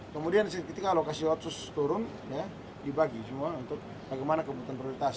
kemudian ketika alokasi otsus turun dibagi semua untuk bagaimana kebutuhan prioritas